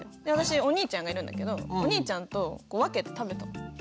で私お兄ちゃんがいるんだけどお兄ちゃんと分けて食べたの。